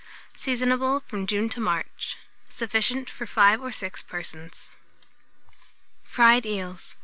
Seasonable from June to March. Sufficient for 5 or 6 persons. FRIED EELS.